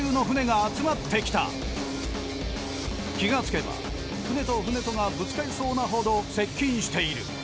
気が付けば船と船とがぶつかりそうなほど接近している。